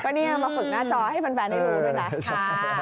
ก็เนี่ยมาฝึกหน้าจอให้แฟนได้รู้ด้วยนะ